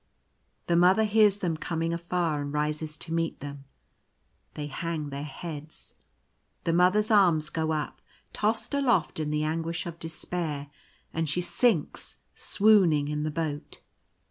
The Mother hears them coming afar and rises to meet them. They hang their heads. The Mother's arms go up, tossed aloft in the anguish of despair, and she sinks swooning in the boat.